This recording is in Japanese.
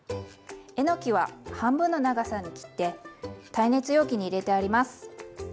えのきは半分の長さに切って耐熱容器に入れてあります。